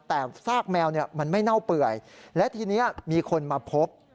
แต่ซากแมวมันไม่เน่าเปื่อยและทีนี้มีคนมาพบ